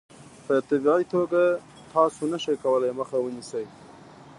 په طبیعي توګه تاسو نشئ کولای مخه ونیسئ.